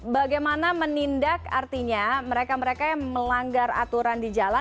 bagaimana menindak artinya mereka mereka yang melanggar aturan di jalan